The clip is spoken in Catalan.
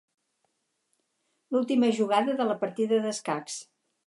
L'última jugada de la partida d'escacs.